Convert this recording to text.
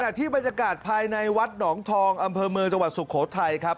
ขนาดที่บันทรกาศภายในวัดหนองทองอำเภอเมศ์ตมสุโขทัยครับ